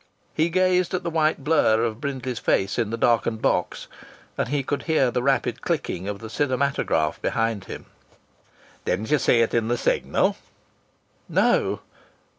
He gazed at the white blur of Brindley's face in the darkened box, and he could hear the rapid clicking of the cinematograph behind him. "Didn't you see it in the Signal?" "No."